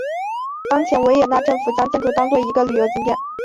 当前维也纳政府将建筑当作一个旅游景点。